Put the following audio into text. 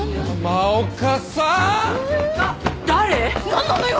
何なのよ？